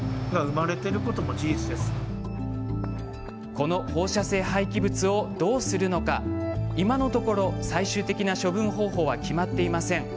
この放射性廃棄物をどうするのか今のところ最終的な処分方法は決まっていません。